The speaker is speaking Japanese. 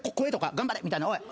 「頑張れ」みたいな。